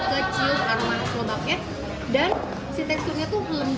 kalau di sini gak kecil aroma khas lobaknya